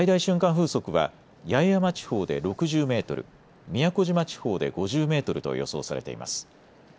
風速は八重山地方で６０メートル、宮古島地方で５０メートルと予想されています。